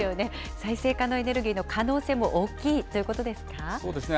再生可能エネルギーの可能性も大そうですね。